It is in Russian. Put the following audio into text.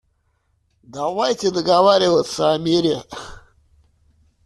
Давайте договариваться о мире.